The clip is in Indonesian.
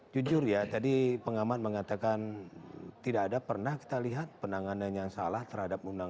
jujur ya tadi pengaman mengatakan tidak ada pernah kita lihat penanganan yang salah terhadap undang undang